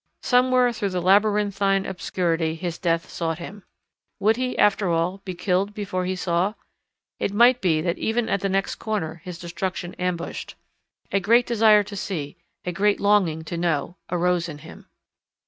Somewhere through the labyrinthine obscurity his death sought him. Would he, after all, be killed before he saw? It might be that even at the next corner his destruction ambushed. A great desire to see, a great longing to know, arose in him.